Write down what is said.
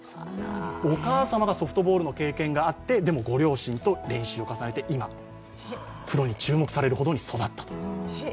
お母様がソフトボールの経験があって、ご両親と練習を重ねてプロに注目されるほどに育ったと。